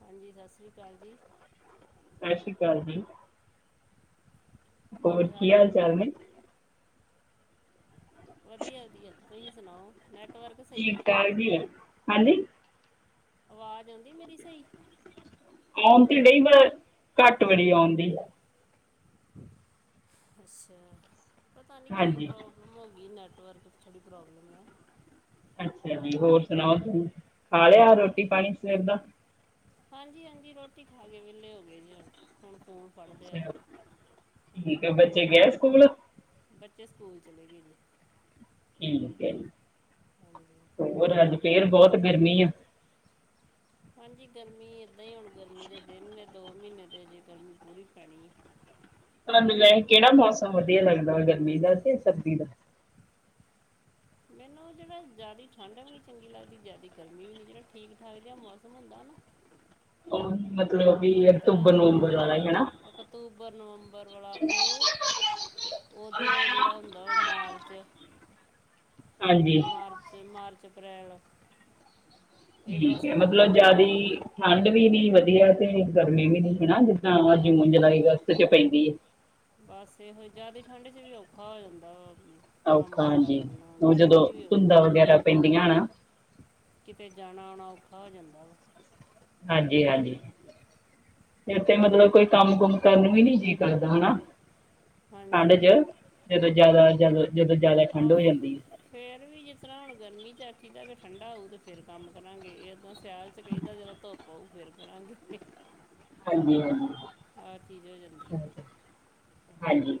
ਹਾਂਜੀ ਸਤਿ ਸ਼੍ਰੀ ਅਕਾਲ ਜੀ ਸਤਿ ਸ਼੍ਰੀ ਅਕਾਲ ਜੀ ਹੋਰ ਕੀ ਹਾਲ ਚਾਲ ਨੇ ਵਧੀਆ-ਵਧੀਆ ਤੁਸੀਂ ਸੁਣਾਓ ਨੈਟਵਰਕ ਸਹੀ ਆ [unintelligible] ਹਾਂਜੀ। ਆਵਾਜ਼ ਆਉਂਦੀ ਮੇਰੀ ਸਹੀ ਆਉਣ ਤੇ ਡਈ ਵਰ ਘੱਟ ਬੜੀ ਆਉਣ ਦੀ ਅੱਛਾ ਪਤਾ ਨਹੀਂ ਕੀ ਹਾਂਜੀ ਪ੍ਰੋਬਲਮ ਹੋ ਗਈ ਨੈੱਟਵਰਕ 'ਚ ਥੋੜੀ ਪ੍ਰੋਬਲਮ ਆ ਅੱਛਾ ਜੀ ਹੋਰ ਸੁਣਾਓ ਤੂੰ ਖਾ ਲਿਆ ਰੋਟੀ-ਪਾਣੀ ਸਵੇਰ ਦਾ? ਹਾਂਜੀ-ਹਾਂਜੀ ਰੋਟੀ ਖਾ ਕੇ ਵਿਹਲੇ ਹੋ ਗਏ ਜੇ ਹੁਣ ਫੋਨ ਫੜ ਲਿਆ ਅੱਛਾ ਠੀਕ ਹੈ ਬੱਚੇ ਗਏ ਸਕੂਲ? ਬੱਚੇ ਸਕੂਲ ਚਲੇ ਗਏ ਨੇ ਠੀਕ ਹੈ ਜੀ ਹਾਂਜੀ ਹੋਰ ਅੱਜ ਫਿਰ ਬਹੁਤ ਗਰਮੀ ਆ ਹਾਂਜੀ ਗਰਮੀ ਏਦਾਂ ਹੀ ਹੁਣ ਗਰਮੀ ਦੇ ਦਿਨ ਨੇ ਦੋ ਮਹੀਨੇ ਦੇ ਜੇ ਗਰਮੀ ਪੂਰੀ ਪੈਣੀ ਹੈ। ਕਿਹੜਾ ਮੌਸਮ ਵਧੀਆ ਲੱਗਦਾ ਵੇ ਗਰਮੀ ਦਾ ਤੇ ਸਰਦੀ ਦਾ? ਮੈਨੂੰ ਜਿਹੜਾ ਜ਼ਿਆਦਾ ਠੰਡ ਵੀ ਨਹੀਂ ਚੰਗੀ ਲੱਗਦੀ ਜ਼ਿਆਦਾ ਗਰਮੀ ਵੀ ਨਹੀਂ ਜਿਹੜਾ ਠੀਕ ਠਾਕ ਜਿਹਾ ਮੌਸਮ ਹੁੰਦਾ ਨਾ ਉਹ ਨਹੀਂ ਮਤਲਬ ਵੀ ਜਿਸ ਅਕਤੂਬਰ ਨਵੰਬਰ ਵਾਲਾ ਤਰ੍ਹਾਂ ਹੀ ਹਨਾ। ਅਕਤੂਬਰ ਨਵੰਬਰ ਵਾਲਾ ਉਹ ਤੇ ਓਧਰੋਂ ਜਿਹੜਾ ਹੁੰਦਾ ਵਾ ਮਾਰਚ [inaudible] ਹਾਂਜੀ ਮਾਰਚ-ਮਾਰਚ ਅਪ੍ਰੈਲ ਇਹ ਠੀਕ ਬਸ ਹੈ ਦੋ ਮਤਲਬ ਜਾਦੀ ਠੰਡ ਵੀ ਨੀ ਵਧੀਆ ਤੇ ਗਰਮੀ ਵੀ ਨੀ ਹੈਣਾ ਜਿੱਦਾਂ ਜੂਨ ਹਾਂਜੀ ਜੁਲਾਈ ਅਗਸਤ ਚ ਪੈਂਦੀ ਹੈ। ਬਸ ਇਹੋ ਹੀ ਜਿਆਦਾ ਠੰਢ ਚ ਵੀ ਔਖਾ ਹੋ ਜਾਂਦਾ ਵਾ ਕੰਮ ਔਖਾ ਧੰਧਾ ਹਾਂਜੀ ਕਰਨਾ ਉਹ ਗਰਮੀ ਜਦੋਂ ਚ ਵੀ ਔਖਾ ਧੁੰਦਾਂ ਵਗੈਰਾ ਪੈਂਦੀਆਂ ਨਾ ਜਾਂਦਾ ਕਿਤੇ ਜਾਣਾ ਆਉਣਾ ਔਖਾ ਹੋ ਜਾਂਦਾ ਵਾ। ਹਾਂਜੀ, ਹਾਂਜੀ, ਇਥੇ ਮਤਲਬ ਕੋਈ ਕੰਮ ਕੁੁੰਮ ਕਰਨ ਵੀ ਨੀ ਜੀਅ ਕਰਦਾ ਹਨਾ। ਠੰਡ ਚ ਹਾਂਜੀ ਜਦੋਂ ਜਿਆਦਾ ਜਦ ਜਦੋਂ ਜਿਆਦਾ ਠੰਡ ਹੋ ਜਾਂਦੀ। ਫਿਰ ਵੀ ਜਿਸ ਤਰ੍ਹਾਂ ਹੁਣ ਗਰਮੀ ਚਾਚੀ ਦਾ ਠੰਡਾ ਆਊ ਤੇ ਫਿਰ ਕੰਮ ਕਰਾਂਗੇ ਇਹ ਜਦਾਂ ਸਿਆਲ ਚ ਕਹੀਦਾ, ਜਦੋਂ ਧੁੱਪ ਆਊ ਫੇਰ ਕਰਾਂਗੇ। ਹਾਂਜੀ- ਹਾਂਜੀ। ਆਹ ਚੀਜ਼ ਹੋ ਜਾਂਦੀ। ਹਾਂਜੀ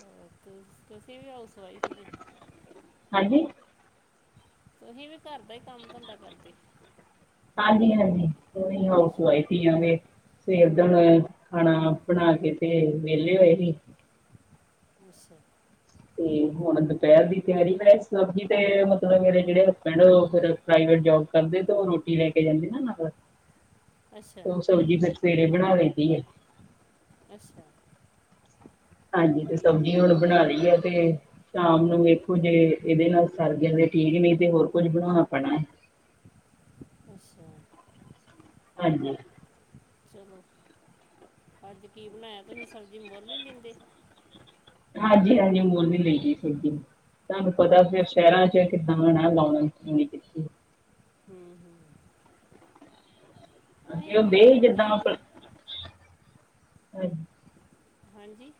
ਹੋਰ ਤੁਸੀਂ ਵੀ ਹਾਊਸ ਵਈਫ ਜੇ। ਹਾਂਜੀ। ਤੁਸੀਂ ਵੀ ਘਰ ਦਾ ਹੀ ਕੰਮ ਧੰਦਾ ਕਰਦੇ। ਹਾਂਜੀ-ਹਾਂਜੀ, ਔ ਹਾਊਸ ਵਾਈਫ ਹੀ ਆ। ਸਵੇਰ ਦਾ ਖਾਣਾ ਬਣਾ ਕੇ ਤੇ ਵਿਹਲੇ ਹੋਏ ਸੀ। ਕੁਛ ਤੇ ਹੁਣ ਦੁਪਹਿਰ ਦੀ ਤਿਆਰੀ ਮੈਂ ਬਸ ਤੇ ਮਤਲਬ ਮੇਰੇ ਜਿਹੜੇ ਹਸਬੈਂਡ ਔ ਫਿਰ ਪ੍ਰਾਈਵੇਟ ਜੋਬ ਕਰਦੇ, ਤੇ ਉਹ ਰੋਟੀ ਲੈ ਕੇ ਜਾਂਦੇ ਨਾ ਨਾਲ ਅੱਛਾ ਉਹ ਸਬਜ਼ੀ ਫੇਰ ਸਵੇਰੇ ਬਣਾ ਲੈਂਦੀ ਹੈ। ਅੱਛਾ। ਹਾਂਜੀ, ਤੇ ਠੀਕ ਸਬਜ਼ੀ ਹੁਣ ਬਣਾ ਲਈ ਆ ਤੇ ਸ਼ਾਮ ਨੂੰ ਵੇਖੋ ਜੇ, ਇਹਦੇ ਨਾਲ ਸਰਗਿਆਂ ਦੇ ਠੀਕ, ਨਹੀਂ ਤੇ ਹੋਰ ਕੁੱਝ ਬਣਾਉਣਾ ਪੈਣਾ ਹੈ। ਅੱਛਾ। ਹਾਂਜੀ। ਚਲੋ, ਅੱਜ ਕੀ ਬਣਾਇਆ? ਤੁਸੀਂ ਸਬਜ਼ੀ ਮੁਲ ਲੈਂਦੇ। ਹਾਂਜੀ-ਹਾਂਜੀ, ਮੋਲ ਵੀ ਲਾਈ ਦੀ ਸਬਜ਼ੀ। ਤੁਹਾਨੂੰ ਪਤਾ ਫੇਰ ਸ਼ਹਿਰਾਂ ਚ ਕਿੱਦਾਂ ਰਹਿਣਾ ਕਿ ਕੀਤੀ। ਹੂੰ-ਹੂੰ। ਵੀ ਉਹਦੇ ਹੀ ਜਦਾਂ ਆਪ ਸਬਜ਼ੀ ਹਾਂ। ਹਾਂਜੀ।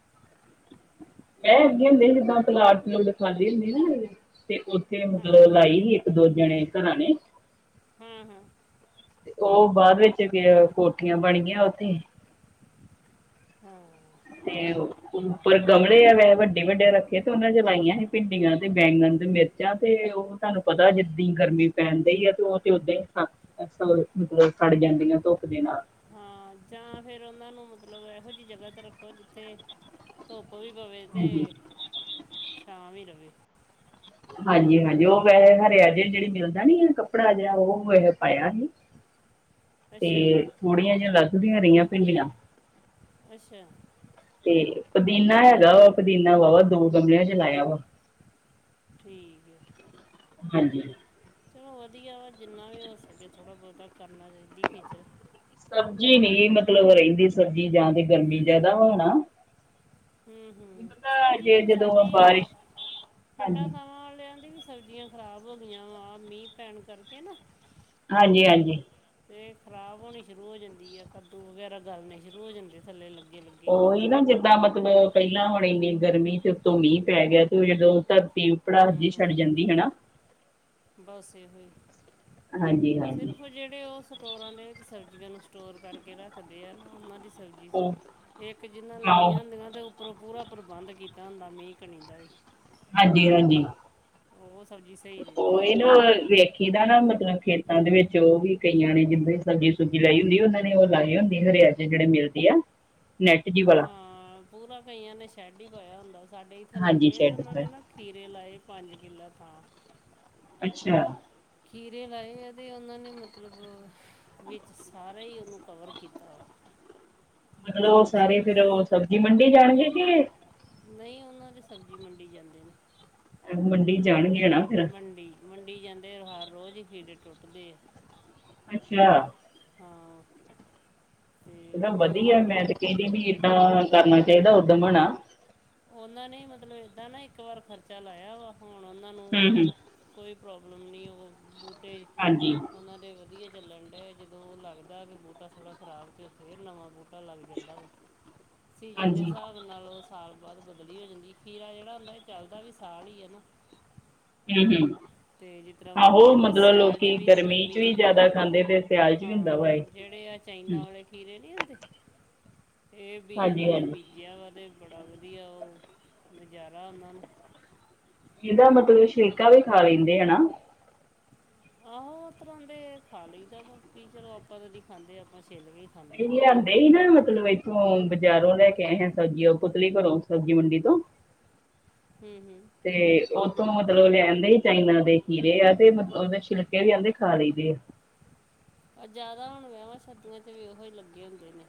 ਮੈਂ ਹੈਗੇ ਹੁੰਦੇ ਜਿੱਦਾਂ ਪਲਾਟ-ਪੁਲਟ ਖਾਲੀ ਹੁੰਦੇ ਨਾ, ਤੇ ਉੱਥੇ ਹਾਂ ਮਤਲਬ ਲਾਈ। ਦੋ ਜਣੇ ਘਰਾਂ ਨੇ ਹਾ-ਹਾ। ਤੇ ਉਹ ਬਾਅਦ ਵਿੱਚ ਵੀ ਕੋਠੀਆਂ ਬਣੀਆਂ ਉੱਥੇ ਹਾਂ। ਤੇ ਔਹ ਉੱਪਰ ਗਮਲੇ ਆ ਵੈ ਵੱਡੇ-ਵੱਡੇ ਰੱਖੇ ਤੇ ਉਹਨਾਂ ਚ ਲਾਈਆਂ ਸੀ, ਭਿੰਡੀਆਂ ਤੇ ਬੈਂਗਣ ਤੇ ਮਿਰਚ। ਮਿਰਚਾਂ ਤੇ ਉਹ ਤੁਹਾਨੂੰ ਪਤਾ ਜਿੱਦ ਗਰਮੀ ਪੈਂਣ ਦੀਈ ਆ ਤੇ ਉਹ ਤੇ ਓਦਾਂ ਹੀ ਮਤਲਬ ਸੜ ਜਾਂਦੀਆਂ ਧੁੱਪ ਦੇ ਨਾਲ ਮਰਚਾ ਜਾਂ ਫੇਰ ਉਹਨਾਂ ਨੂੰ ਮਤਲਬ ਇਹੋ ਜਿਹੀ ਜਗ੍ਹਾ ਤੇ ਰੱਖੋ ਜਿੱਥੇ ਧੁੱਪ ਵੀ ਪਵੇ ਹਾਂਜੀ ਤੇ ਛਾਂ ਵੀ ਰਵੇ। ਹਾਂਜੀ-ਹਾਂਜੀ, ਉਹ ਵੈਸੇ ਹਰਿਆ ਜਾ ਜਿਹੜਾ ਮਿਲਦਾ ਨੀ ਕੱਪੜਾ ਜਿਹੜਾ ਉਹ ਵੈਸੇ ਪਾਇਆ ਸੀ। ਅੱਛਾ ਤੇ ਥੋੜੀਆਂ ਜਿਆਂ ਲੱਗਦੀਆਂ ਰਹੀਆਂ ਭਿੰਡੀਆਂ ਅੱਛਾ। ਤੇ ਪੁਦੀਨਾ ਹੈਗਾ ਵਾ ਪੁਦੀਨਾ ਵਾ-ਵਾ ਦੋ ਗਮਰਿਆਂ ਚ ਲਾਇਆ ਵਾ। ਠੀਕ ਆ। ਹਾਂਜੀ। ਚਲੋ, ਵਧੀਆ ਵਾ ਜਿੰਨਾ ਵੀ ਹੋ ਸਕੇ, ਥੋੜ੍ਹਾ-ਬਹੁਤਾ ਕਰਨਾ ਚਾਹੀਦੀ ਖੇਚਲ ਸਬਜ਼ੀ ਨੀ ਮਤਲਬ ਰਹਿੰਦੀ ਸਬਜ਼ੀ ਜਾਂ ਤੇ ਗਰਮੀ ਜਿਆਦਾ ਵ ਹੋਣਾ। ਕੀ ਹੂੰ-ਹੂੰ, ਪਤਾ ਸਰ ਜੀ ਜੇ ਹੁਣ ਜਦੋਂ ਸਾਡੀ ਬਾਰਿਸ਼ ਪਿੰਡਾਂ ਹਾਂਜੀ ਥਾਵਾਂ ਆਲਿਆਂ ਦੀ ਵੀ। ਸਬਜ਼ੀਆਂ ਖ਼ਰਾਬ ਹੋ ਗਈਆਂ ਵਾ ਮੀਂਹ ਪੈਣ ਕਰਕੇ ਨਾ। ਹਾਂਜੀ-ਹਾਂਜੀ। ਅਤੇ ਖਰਾਬ ਹੋਣੀ ਸ਼ੁਰੂ ਹੋ ਜਾਂਦੀ ਹੈ, ਕੱਦੂ ਵਗੈਰਾ ਗਾਲਣੇੇ ਸ਼ੁਰੂ ਹੋ ਜਾਂਦੇ ਥੱਲੇ ਲੱਗੇ-ਲੱਗੇ। ਉਹੀ ਨਾ ਜਿੱਦਾਂ ਮਤਲਬ ਪਹਿਲਾਂ ਹੁਣ ਇੰਨੀ ਗਰਮੀ ਤੇ ਉੱਤੋਂ ਮੀਂਹ ਪੈ ਗਿਆ ਤੇ ਉਹ ਜਦੋਂ ਧਰਤੀ ਉ ਭੜਾਸ ਹੂੰ ਜੇਇ ਛੱਡ ਹੂੰ ਜਾਂਦੀ ਹੈਨਾ ਬਸ ਇਹੋ ਹੀ ਹਾਂਜੀ ਹਾਂਜੀ ਸਿਰਫ ਜਿਹੜੇ ਉਸ ਸਟੋਰਾਂ ਦੇ ਵਿੱਚ ਸਬਜ਼ੀਆਂ ਨੂੰ ਸਟੋਰ ਕਰਕੇ ਰੱਖਦੇ ਆ ਨਾ ਉਹਨਾਂ ਦੀ ਸਬਜ਼ ਉਹ ਇੱਕ ਜਿੰਨਾ ਹਾਂ ਲਾਈਆਂ ਹੁੰਦੀਆਂ ਤੇ ਉਪਰੋ ਪੂਰਾ ਪ੍ਰਬੰਧ ਕੀਤਾ ਹੁੰਦਾ ਮੀਂਹ ਕਣੀ ਦਾ ਵੀ ਹਾਂਜੀ ਹਾਂਜੀ ਉਹ ਸਬਜ਼ੀ ਸਹੀ ਰਹਿੰਦੀ ਲ ਵੇਖੀ ਦਾ ਨਾ ਮਤਲਬ ਖੇਤਾਂ ਦੇ ਵਿੱਚ ਉਹ ਵੀ ਕਈਆਂ ਨੇ ਜਿੱਦਾਂ ਸਬਜੀ ਸੂਬਜੀ ਲਾਈ ਹੁੰਦੀ ਉਹਨਾਂ ਨੇ ਉਹ ਲਾਈ ਹੁੰਦੀ ਹਰਿਆ ਚ ਜਿਹੜੇ ਮਿਲਦੀ ਆ ਨੈਟ ਜੀ ਵਾਲਾ ਹਾਂ ਪੂਰਾ ਕਈਆਂ ਨੇ ਸ਼ੈੱਡ ਹੀ ਪਾਇਆ ਹੁੰਦਾ ਸਾਡੇ ਇੱਥੇ ਲਾਗੇ ਹਾਂਜੀ ਗਏ ਅਤੇ ਸ਼ੈਡ ਉਹਨਾਂ ਪਰ। ਨੇ ਨਾ ਖੀਰੇ ਲਈ ਪੰਜ ਕਿੱਲੇ ਥਾਂ- ਅੱਛਾ ਖੀਰੇ ਲਾਏ ਆ ਅਤੇ ਉਹਨਾਂ ਨੇ ਮਤਲਬ ਵਿੱਚ ਸਾਰਾ ਹੀ ਉਹਨੂੰ ਕਵਰ ਕੀਤਾ ਮਤਲਬ ਉਹ ਸਾਰੇ ਸਬਸਿਡੀ ਫੇਰ ਸਬਜ਼ੀ ਮੰਡੀ ਜਾਣਗੇ ਕੇ ਨਹੀਂ ਉਹਨਾਂ ਦੇ ਸਬਜ਼ੀ ਮੰਡੀ ਜਾਂਦੇ ਨੇ ਮੰਡੀ ਜਾਣਗੇ ਹੈਨਾ ਮੰਡੀ-ਮੰਡੀ ਜਾਂਦੇ ਹਾਰ ਰੋਜ਼ ਹੀ ਖੀਰੇ ਟੁੱਟਦੇ ਆ ਅੱਛਾ ਹਾਂ ਤੇ ਉਹ ਵਧੀਆ ਬੜੀ ਮੈਂ ਤੇ ਕਹਿੰਦੀ ਵੀ ਏਦਾਂ ਕਰਨਾ ਚਾਹੀਦਾ ਉਦਮ ਹੈਣਾ ਉਹਨਾਂ ਨੇ ਮਤਲਬ ਏਦਾਂ ਨਾ ਇੱਕ ਵਾਰ ਖਰਚਾ ਲਾਇਆ ਵਾ ਹੁਣ ਉਹਨਾਂ ਨੂੰ ਹੂੰ ਕੋਈ ਹੂੰ ਕੋਈ ਪ੍ਰੋਬਲਮ ਨਹੀਂ ਉਹ ਬੂਟੇ ਹਾਂਜੀ ਉਹਨਾਂ ਦੇ ਵਧੀਆ ਚੱਲਣ ਡ ਜਦੋਂ ਉਹ ਲੱਗਦਾ ਕਿ ਬੂਟਾ ਥੋੜ੍ਹਾ ਖਰਾਬ ਤੇ ਫੇਰ ਨਵਾਂ ਬੂਟਾ ਟਾ ਲੱਗ ਜਾਂਦਾ ਵਾ ਸੀਜਨ ਦੇ ਹਾਂਜੀ ਹਿਸਾਬ ਨਾਲ ਉਹ ਸਾਲ ਬਾਹੁਦ ਬਦਲੀ ਹੋ ਜਾਂਦੀ ਖੀਰਾ ਜਿਹੜਾ ਹੁੰਦਾ ਇਹ ਚੱਲਦਾ ਵੀ ਸਾਲ ਹੀ ਹੈ ਨਾ ਹਮ-ਹਮ ਤੇ ਜਿਸ ਤਰ੍ਹਾਂ ਆਹੋ ਇਹਨੇ ਮਤਲਬ ਸਿਆਲ 'ਚ ਲੋਕੀ ਵੀ ਤੇ ਗਰਮੀ ਚ ਵੀ ਜਿਆਦਾ ਖਾਂਦੇ ਤੇ ਸਿਆਲ ਚ ਵੀ ਹੁੰਦਾ ਹਾਂ ਵਾ ਜਿਹੜੇ ਆ ਚਾਈਨਾ ਹੂੰ, ਵਾਲੇ ਖੀਰੇ ਨਹੀਂ ਹੁੰਦੇ ਇਹ ਬੀਜ ਉਹਨਾਂ ਹਾਂਜੀ ਨੇ ਹਾਂਜੀ ਬੀਜੇ ਜਹਾ ਵਾ ਅਤੇ ਬੜਾ ਵਧੀਆ ਉਹ ਨਜ਼ਾਰਾ ਉਹਨਾਂ ਨੂੰ ਇਹਦਾ ਮਤਲਬ ਸ਼ਰੀਕਾ ਵੀ ਖਾ ਲੈਂਦੇ ਹੈਨਾ ਆਹੋ ਤਰ੍ਹਾਂ ਦੇ ਖਾ ਲਈ ਤਾਂਕੀ ਚਲੋ ਆਪਾਂ ਤੇ ਨੀ ਖਾਂਦੇ ਆਪਾਂ ਛੇਲ ਕੇ ਖਾਂਦੇ ਆ ਇਹ ਅਦੇ ਇਹਨਾਂ ਮਤਲਬ ਹੋ ਤੂੰ ਬਜ਼ਾਰੋਂ ਲੈ ਕੇ ਆਏਂ ਸਬਜ਼ੀ ਪੁਤਲੀ ਘਰੋਂ ਸਬਜ਼ੀ ਮੰਡੀ ਤੋਂ ਹਮ-ਹਮ ਤੇ ਉਥੋਂ ਮਤਲਬ ਲਿਆ ਆਦੇ ਹੀ ਚਾਈਨਾ ਦੇ ਖੀਰੇ ਆ ਤੇਤਲਬ ਉਹਦੇ ਛਿਲਕੇ ਵੀ ਆਂਦੇ ਖਾ ਲਈ ਦੇ ਏ ਪਰ ਜ਼ਿਆਦਾ ਹੁਣ ਵਿਆਵਾਂ ਸਰਦੀਆਂ 'ਚ ਵੀ ਉਹੀ ਹੀ ਲੱਗੇ ਹੁੰਦੇ ਨੇ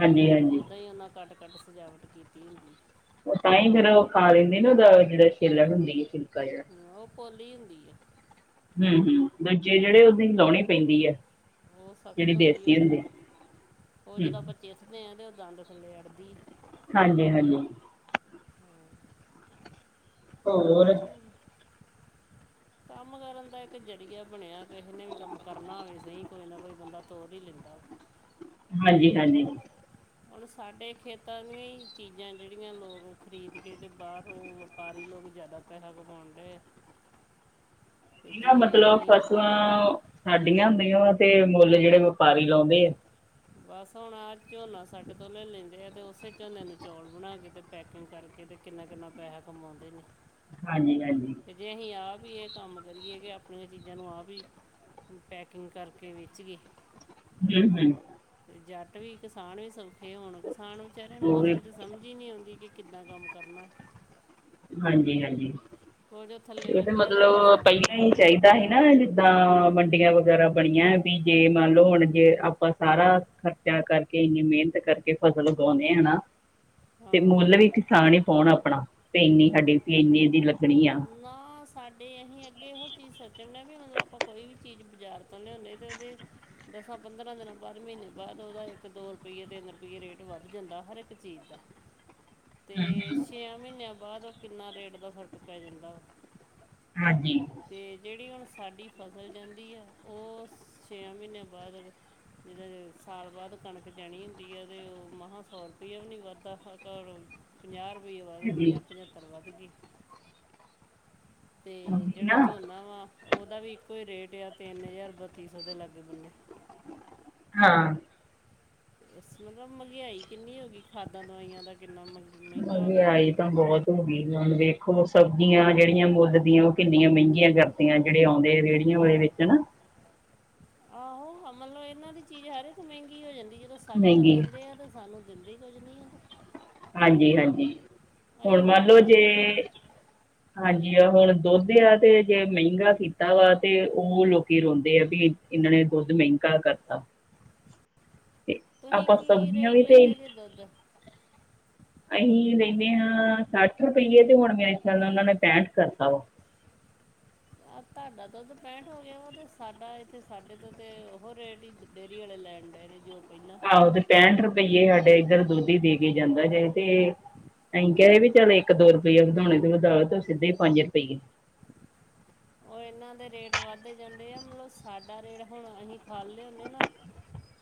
ਹਾਂਜੀ ਹਾਂਜੀ ਓਦਾਂ ਹੀ ਉਹਨਾਂ ਕੱਟ ਘੱਟ ਸਜਾਵਟ ਕੀਤੀ ਹੁੰਦੀ ਉਹ ਤਾਂ ਹੀ ਉਹ ਖਾ ਲੈਂਦੇ ਨਾ ਉਹਦਾ ਜਿਹੜਾ ਖੇਲਣ ਹੁੰਦੀ ਹੈ ਛਿਲਕਾ ਜਿਹੜਾ ਉਹ ਪੋਲੀ ਹੁੰਦੀ ਆ ਹਮ-ਹਮ ਦੂਜੇ ਜਿਹੜੇ ਉਹਦੀ ਲਾਉਣੀ ਪੈਂਦੀ ਹੈ ਉਹ ਸਖ਼ਤ ਹੁੰਦੀ ਉਹ ਜਦ ਉਹ ਜਿੜ ਹੂੰ ਆਪਾਂ ਚਿੱਤਦੇ ਹਾਂ ਅਤੇ ਉਹ ਦੰਦ ਥੱਲੇ ਅੜ੍ਹਦੀ ਹਾਂਜੀ-ਹਾਂਜੀ ਹੋਰ ਚਲੋ, ਕੰਮ ਕਰਨ ਦਾ ਇੱਕ ਜ਼ਰੀਆ ਬਣਿਆ ਕਿਸੇ ਨੇ ਵੀ ਕੰਮ ਕਰਨਾ ਹੋਵੇ ਸਹੀ ਕੋਈ ਨਾ ਕੋਈ ਬੰਦਾ ਤੋਰ ਹੀ ਲੈਂਦਾ ਵਾ ਹਾਂਜੀ-ਹਾਂਜੀ ਹੁਣ ਸਾਡੇ ਖੇਤਾਂ ਨੂੰ ਹੀ ਚੀਜ਼ਾਂ ਜਿਹੜੀਆਂ ਲੋਕ ਖਰੀਦ ਕੇ ਤੇ ਬਾਹਰ ਉਹ- ਵਪਾਰੀ ਲੋਕ ਜ਼ਿਆਦਾ ਪੈਸਾ ਕਮਾਉਣ ਡੇ ਨਾ ਮਤਲਬ ਅਸੀਂ ਫਸਲਾਂ ਸਾਡੀਆਂ ਹੁੰਦੀਆਂ ਵਾ ਤੇ ਮੁੱਲ ਜਿਹੜੇ ਵਪਾਰੀ ਲਾਉਂਦੇ ਆ, ਬਸ ਹੁਣ ਆਹ ਝੋਨਾ ਸਾਡੇ ਤੋਂ ਲੈ ਲੈਂਦੇ ਆ ਅਤੇ ਉਸੇ ਝੋਨੇ ਨੂੰ ਚੌਲ ਬਣਾ ਕੇ ਅਤੇ ਪੈਕਿੰਗ ਕਰਕੇ ਅਤੇ ਕਿੰਨਾ-ਕਿੰਨਾ ਪੈਸਾ ਕਮਾਉਂਦੇ ਨੇ, ਹਾਂਜੀ-ਹਾਂਜੀ। ਅਤੇ ਜੇ ਅਸੀਂ ਆਪ ਵੀ ਇਹ ਕੰਮ ਕਰੀਏ ਕਿ ਆਪਣੀਆਂ ਚੀਜ਼ਾਂ ਨੂੰ ਆਪ ਵੀ ਪੈਕਿੰਗ ਕਰਕੇ ਵੇਚ ਇ, ਹਮ-ਹਮ ਤੇ ਜੱਟ ਵੀ ਕਿਸਾਨ ਵੀ ਸੌਖੇ ਹੋਣ ਕਿਸਾਨ ਵਿਚਾਰਿਆਂ ਉਹ ਨੂੰ ਵੀ ਅਸਰ ਸਮਝ ਹੀ ਨਹੀਂ ਆਉਂਦੀ ਕਿ ਕਿੱਦਾਂ ਕੰਮ ਕਰਨਾ, ਹਾਂਜੀ-ਹਾਂਜੀ ਉਹ ਜੋ ਥੱਲੇ ਇਹਦੇ ਲੱਗੇ ਹੁੰਦੇ ਮਤਲਬ ਕਿਸਾਨ ਪਹੀਆਂ ਹੀ ਚਾਹੀਦਾ ਸੀ ਨਾ ਜਿੱਦਾਂ ਮੰਡੀਆਂ ਵਗੈਰਾ ਬਣੀਆਂ ਵੀ ਜੇ ਮੰਨ ਲਓ ਹੁਣ ਜੇ ਆਪਾਂ ਸਾਰਾ ਖਰਚ ਕਰਕੇ ਇੰਨੀ ਮਿਹਨਤ ਕਰਕੇ ਫਸਲ ਉਗਾਉਂਦੇ ਹਨਾ, ਤੇ ਹਾਂ ਮੁੱਲ ਵੀ ਕਿਸਾਨ ਹੀ ਪਾਉਣ ਆਪਣਾ ਤੇ ਇੰਨੀ ਸਾਡੀ ਇੰਨੀ ਦੀ ਲੱਗਣੀ ਆ, ਨਾ ਸਾਡੇ ਅਸੀਂ ਅੱਗੇ ਇਹੋ ਚੀਜ਼ ਸੋਚਣ ਹੁੰਦੇ ਵੀ ਮਤਲਬ ਆਪਾਂ ਕੋਈ ਵੀ ਚੀਜ਼ ਬਾਜ਼ਾਰ ਤੋਂ ਲਿਆਦੇ ਤੇ ਉਹਦੇ ਦਸਾਂ ਪੰਦਰਾਂ ਦਿਨਾਂ ਬਾਅਦ ਮਹੀਨੇ ਬਾਅਦ ਉਹਦਾ ਇੱਕ ਦੋ ਰੁਪਈਏ ਤਿੰਨ ਰੁਪਏ ਰੇਟ ਵੱਧ ਜਾਂਦਾ ਹਰ ਇੱਕ ਚੀਜ਼ ਦਾ, [inaudible] ਹੂੰ ਅਤੇ ਛੇ ਮਹੀਨਿਆਂ ਬਾਅਦ ਉਹ ਕਿੰਨਾ ਰੇਟ ਦਾ ਫ਼ਰਕ ਪੈ ਜਾਂਦਾ, ਉਹ ਹਾਂਜੀ। ਅਤੇ ਜਿਹੜੀ ਹੁਣ ਸਾਡੀ ਫਸਲ ਜਾਂਦੀ ਆ ਉਹ ਛੇ ਮਹੀਨਿਆਂ ਬਾਅਦ, ਜਿਹਦੋਂ ਸਾਲ ਬਾਅਦ ਕਣਕ ਜਾਣੀ ਹੁੰਦੀ ਆ ਤੇ ਉਹ ਮਹਾਂ ਸੌ ਰੁਪਇਆ ਵੀ ਨਹੀਂ ਵੱਧਦਾ ਘਰ, ਪੰਜਾਹ ਰੁਪਈਏ ਵੱਧ ਗਏ ਹਾਂਜੀ ਜਾਂ ਪੰਝੱਤਰ ਵੱਧ ਗਏ, ਤੇ ਉਹੀ ਜਿਹੜਾ ਨਾ ਝੋਨਾ ਵਾ ਉਹਦਾ ਵੀ ਇੱਕੋ ਹੀ ਰੇਟ ਆ ਤਿੰਨ ਹਜ਼ਾਰ ਬੱਤੀ ਸੌ ਦੇ ਲਾਗੇ ਬੰਨੇ, ਹਾਂ। ਬ ਮਤਲਬ ਮਹਿੰਗਾਈ ਕਿੰਨੀ ਹੋ ਗਈ ਖਾਦਾਂ ਦਵਾਈਆਂ ਦਾ ਕਿੰਨਾ ਮਹਿੰਗਾ ਹੋ ਗਿਆ ਮਹਿੰਗਾਈ ਕੰਮ, ਤਾਂ ਬਹੁਤ ਗਈ ਹੁਣ ਵੇਖੋ ਸਬਜ਼ੀਆਂ ਜਿਹੜੀਆਂ ਮੁੱਲ ਦੀਆਂ ਉਹ ਕਿੰਨੀਆਂ ਮਹਿੰਗੀਆਂ ਕਰਦੀਆਂ ਜਿਹੜੇ ਆਉਂਦੇ ਰੇਹੜੀਆਂ ਵਾਲੇ ਵਿੱਚ ਆਹ, ਨਾ ਆਹੋ ਮਤਲਬ ਇਹਨਾਂ ਦੀ ਚੀਜ਼ ਹਰ ਇੱਕ ਮਹਿੰਗੀ ਹੋ ਜਾਂਦੀ ਜਦੋਂ ਸਾਡੇ ਤੋਂ ਮਹਿੰਗੀ ਲੈਂਦੇ ਆ ਤੇ ਸਾਨੂੰ ਦਿੰਦੇ ਕੁੱਝ ਨਹੀਂ ਉਹ, ਹਾਂਜੀ-ਹਾਂਜੀ ਹੁਣ ਮੰਨ ਲਓ ਕਹਿ ਜੇ ਦਿੰਦੇ ਆ, ਹਾਂਜੀ ਆ ਹੁਣ ਦੁੱਧ ਆ ਤੇ ਜੇ ਮਹਿੰਗਾ ਕੀਤਾ ਵਾ, ਤੇ ਉਹ ਲੋਕੀ ਰੋਂਦੇ ਆ ਵੀ ਇਹਨਾਂ ਨੇ ਦੁੱਧ ਮਹਿੰਗਾ ਕਰਤਾ, ਤੁਸੀਂ ਆਪਾਂ ਕੀ ਸਬਜ਼ੀਆਂ ਰੇਟ ਵੀ ਤੇ, ਲੈਂਦੇ ਜੇ ਦੁੱਧ ਅਸੀਂ ਲੈਂਦੇ ਹਾਂ ਸੱਠ ਰੁਪਈਏ ਤੇ ਹੁਣ ਮੇਰੇ ਖ਼ਿਆਲ ਨਾਲ ਉਹਨਾਂ ਨੇ ਪੈਂਟ ਕਰਤਾ ਵਾ, ਆ ਤੁਹਾਡਾ ਦੁੱਧ ਪੈਂਠ ਹੋ ਗਿਆ ਵਾ ਅਤੇ ਸਾਡਾ ਇੱਥੇ ਸਾਡੇ ਤੋਂ ਤਾਂ ਉਹ ਰੇਟ ਹੀ, ਡੇਅਰੀ ਵਾਲੈ ਲੈਣ ਡ ਨੇ ਜੋ ਪਹਿਲਾਂ, ਆਹੋ ਤੇ ਪੈਂਹਠ ਰੁਪਈਏ ਸਾਡੇ ਇੱਧਰ ਦੁੱਧੀ ਦੇ ਕੇ ਜਾਂਦਾ ਹੈ ਤੇ, ਅਸੀਂ ਕਿਹਾ ਵੀ ਚੱਲ ਇੱਕ ਦੋ ਰੁਪਈਆ ਵਧਾਉਣੇ ਤੇ ਵਧਾਓ ਤੂੰ ਸਿੱਧੇ ਪੰਜ ਰੁਪਈਏ, ਉਹ ਇਹਨਾਂ ਦੇ ਰੇਟ ਵੱਧ ਜਾਂਦੇ ਆ ਮਤਲਬ ਸਾਡਾ ਰੇਟ ਹੁਣ ਅਸੀਂ ਖਾਲੇ ਹੁੰਦੇ ਨਾ,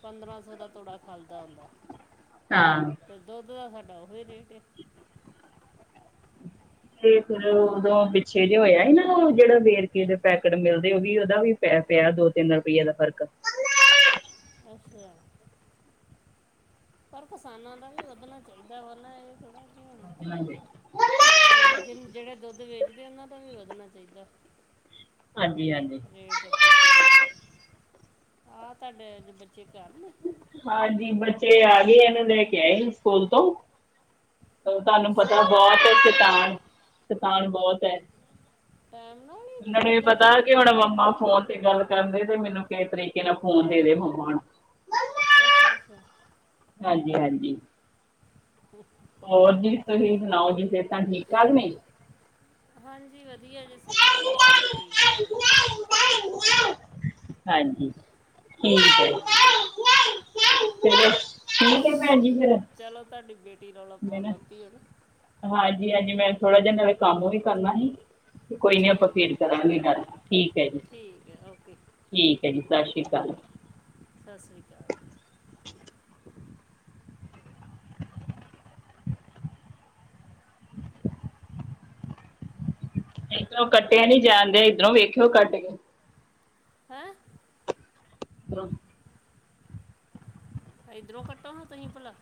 ਪੰਦਰਾਂ ਸੌ ਦਾ ਤੋੜਾ ਖਾਲਦਾ ਹੁੰਦਾ ਹਾਂ, ਅਤੇ ਦੁੱਧ ਦਾ ਸਾਡਾ ਉਹੀ ਰੇਟ ਹੈ, ਤੇ ਫੇਰ ਤੋ ਉਦੋਂ ਪਿੱਛੇ ਜਿ ਹੋਇਆ ਸੀ ਨੂੰ ਜਿਹੜਾ ਵੇਰਕੇ ਦੇ ਪੈਕਟ ਮਿਲਦੇ ਉਹ ਵੀ ਉਹਦਾ ਵੀ ਪ ਪਿਆ ਦੋ ਤਿੰਨ ਰੁਪਈਏ ਦਾ ਫਰਕ, ਅੱਛਾ? ਪਰ ਕਿਸਾਨਾਂ ਦਾ ਵੀ ਵਧਣਾ ਚਾਹੀਦਾ ਪਲਾਂ ਇਹ ਥੋੜਾ ਕਿ ਹੋਣਾ, ਹਾਂਜੀ ਜਿਨ-ਜਿਨ ਜਿਹੜੇ ਦੁੱਧ ਵੇਚਦੇ ਉਹਨਾਂ ਦਾ ਵੀ ਵੱਧਣਾ ਚਾਹੀਦਾ, ਹਾਂਜੀ ਹਾਂਜੀ ਰੇਟ, ਆਹ ਤੁਹਾਡੇ ਅਜ ਬੱਚੇ ਘਰ ਨੇ? ਹਾਂਜੀ ਬੱਚੇ ਆ ਗਏ ਇਹਨੇ ਲੈ ਕੇ ਆਏ ਸਕੂਲ ਤੋਂ, ਤੁਹਾਨੂੰ ਅੱਛਾ ਪਤਾ ਟੈ ਬਹੁਤ ਸ਼ੈਤਾਨ-ਸ਼ੈਤਾਨ ਬਹੁਤ ਹੈ। ਟਾਈਮ ਨਾਲ ਹੀ ਉਹਨਾਂ ਨੂੰ ਬੱਚ- ਇਹ ਲੈ ਪਤਾ ਆਏ ਕਿ ਜੇ ਹੁਣਾ ਮੰਮਾ ਫੋਨ ਤੇ ਗੱਲ, ਕਰਨ ਦੇ ਤੇ ਮੈਨੂੰ ਕਿਸੇ ਤਰੀਕੇ ਨਾਲ ਫੋਨ ਦੇ ਦੇ ਮੰਮਾ ਅੱਛਾ ਅੱਛਾ ਹਾਂਜੀ, ਹਾਂਜੀ, ਉਹ ਹੋਰ ਜੀ, ਤੁਹੀਂ ਸੁਣਾਓ ਜੀ, ਸਿਹਤਾਂ ਠੀਕ-ਠਾਕ ਨੇ? ਹਾਂਜੀ, ਵਧੀਆ ਜੀ, ਸਿਹਤ ਵੀ ਸਭ ਠੀਕ-ਠਾਕ। ਹਾਂਜੀ। ਠੀਕ ਹਾਂਜੀ ਹੈ ਹਾਂਜੀ ਜੀ, ਫਿਰ ਠੀਕ ਹੈ ਭੈਣ ਚਲੋ, ਤੁਹਾਡੀ ਬੇਟੀ ਰੌਲਾ ਪਾਉਣ ਲੱਗ ਪੀ, ਹੁਣ। ਹਾਂਜੀ-ਹਾਂਜੀ, ਮੈਂ ਥੋੜਾ ਜਿਹਾ ਨਾਲੇ ਕੰਮ ਵੀ ਕਰਨਾ ਹੀ। ਕੋਈ ਨੀ ਆਪਾਂ ਠੀਕ ਹੈ ਫੇਰ ਜੀ ਕਰਾਂਗੇ ਗੱਲ, ਠੀਕ ਆ, ਜੀ। ਠੀਕ ਹੈ, ਓਕੇ। ਠੀਕ ਹੈ, ਜੀ। ਸਤਿ ਸ਼੍ਰੀ ਅਕਾਲ। ਸਤਿ ਸ੍ਰੀ ਅਕਾਲ। ਇੱਧਰੋਂ ਕੱਟਿਆ ਨੀ ਜਾਂਦਿਆ, ਇੱਧਰੋਂ ਵੇਖਿਓ ਕੱਟਕੇ। ਹੈਂ! ਹੈਲੋ। ਇੱਧਰੋਂ ਕੱਟੋ ਹਾਂ, ਤੁਂਹੀ ਭਲਾ।